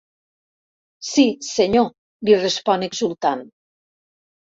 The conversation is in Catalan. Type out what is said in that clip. Sí, senyor —li respon exultant—.